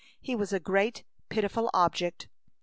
He was a great, pitiful object.